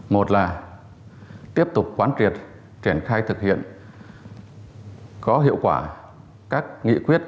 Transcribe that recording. một là tiếp tục quán triệt triển khai thực hiện có hiệu quả các nghị quyết